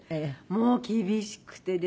もう厳しくてですね